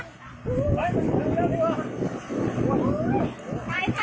ได้เฮ่ย